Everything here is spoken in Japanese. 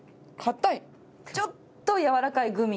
ちょっとやわらかいグミ？